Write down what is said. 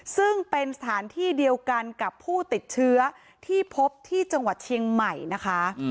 ซึ่งเป็นสถานที่เดียวกันกับผู้ติดเชื้อที่พบที่จังหวัดเชียงใหม่นะคะ